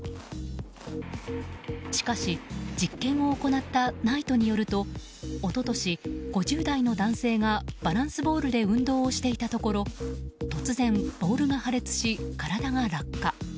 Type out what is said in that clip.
しかし、実験を行ったＮＩＴＥによると一昨年、５０代の男性がバランスボールで運動をしていたところ突然ボールが破裂し体が落下。